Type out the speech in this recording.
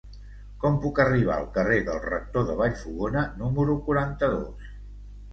Com puc arribar al carrer del Rector de Vallfogona número quaranta-dos?